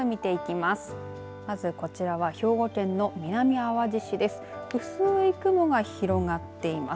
まず、こちらは兵庫県の南あわじ市です。